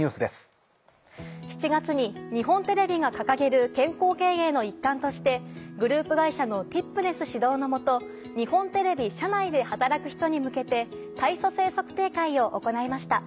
７月に日本テレビが掲げる健康経営の一環としてグループ会社のティップネス指導の下日本テレビ社内で働く人に向けて体組成測定会を行いました。